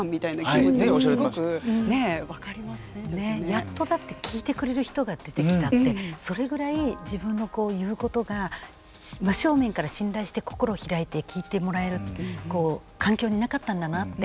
やっとだって聞いてくれる人が出てきたってそれぐらい自分の言うことが真っ正面から信頼して心を開いて聞いてもらえるこう環境になかったんだなって。